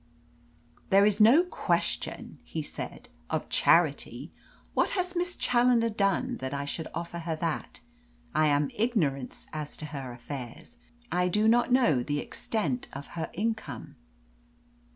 "There is no question," he said, "of charity. What has Miss Challoner done that I should offer her that? I am in ignorance as to her affairs. I do not know the extent of her income."